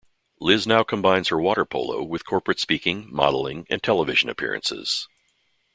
Liz now combines her water polo with corporate speaking, modelling and television appearances.